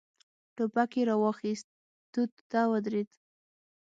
ټوپک يې را واخيست، توت ته ودرېد.